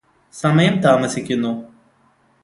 സമയം താമസിക്കുന്നു.